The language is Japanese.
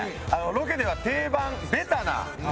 ロケでは定番ベタなスポット